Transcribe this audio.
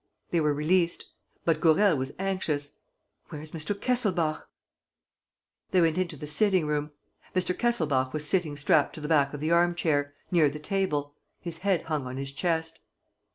They were released. But Gourel was anxious: "Where's Mr. Kesselbach?" He went into the sitting room. Mr. Kesselbach was sitting strapped to the back of the arm chair, near the table. His head hung on his chest.